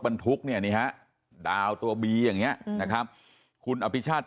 บรรทุกเนี่ยนี่ฮะดาวตัวบีอย่างนี้นะครับคุณอภิชาติ